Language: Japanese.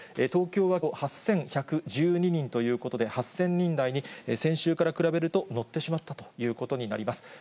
東京はきょう、８１１２人ということで、８０００人台に、先週から比べると乗ってしまったということになります。